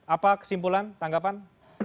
apa kesimpulan tanggapan